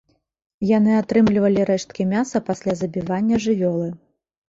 Яны атрымлівалі рэшткі мяса пасля забівання жывёлы.